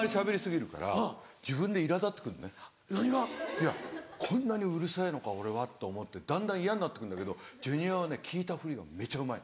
いやこんなにうるさいのか俺はと思ってだんだん嫌になって来るんだけどジュニアはね聞いたふりがめちゃうまい。